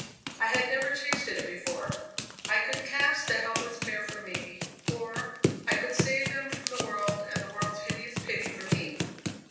I had never tasted it before. I could cast the helpless pair from me, or I could save them from the world and the world's hideous pity for me.